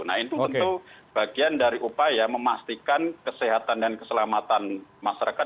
nah itu tentu bagian dari upaya memastikan kesehatan dan keselamatan masyarakat